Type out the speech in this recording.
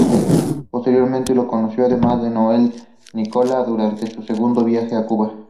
Posteriormente los conoció, además de a Noel Nicola, durante su segundo viaje a Cuba.